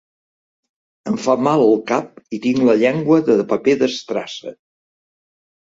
Em fa mal el cap i tinc la llengua de paper d'estrassa.